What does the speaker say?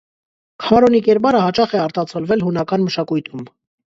Քարոնի կերպարը հաճախ է արտացոլվել հունական մշակույթում։